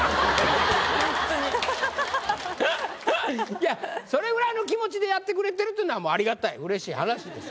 いやそれぐらいの気持ちでやってくれてるっていうのはありがたいうれしい話です。